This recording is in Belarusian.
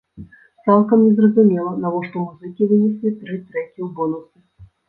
Цалкам незразумела, навошта музыкі вынеслі тры трэкі ў бонусы.